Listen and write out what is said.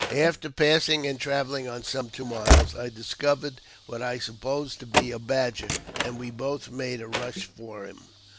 After passing and travelling on some two miles, I discovered what I supposed to be a badger, and we both made a rush for him.